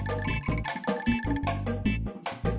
kalau basic istri translator